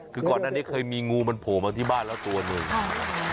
คือก่อนหน้านี้เคยมีงูมันโผล่มาที่บ้านแล้วตัวหนึ่ง